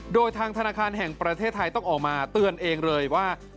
โดยทางธนาคารแห่งประเทศไทยต้องออกมาเตือนเองเลยว่า